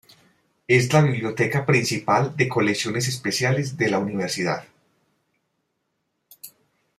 Es la biblioteca principal de colecciones especiales de la universidad.